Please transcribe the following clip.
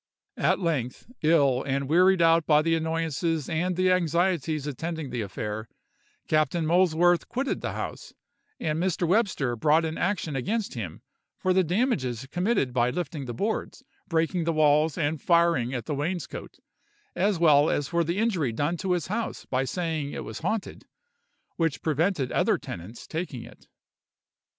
At length, ill and wearied out by the annoyances and the anxieties attending the affair, Captain Molesworth quitted the house, and Mr. Webster brought an action against him for the damages committed by lifting the boards, breaking the walls, and firing at the wainscoat, as well as for the injury done to his house by saying it was haunted, which prevented other tenants taking it.